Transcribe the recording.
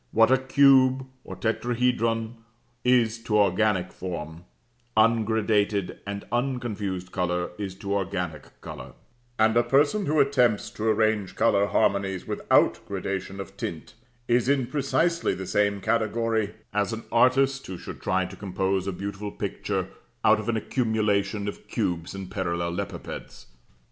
What a cube, or tetrahedron, is to organic form, ungradated and unconfused colour is to organic colour; and a person who attempts to arrange colour harmonies without gradation of tint is in precisely the same category, as an artist who should try to compose a beautiful picture out of an accumulation of cubes and parallelepipeds.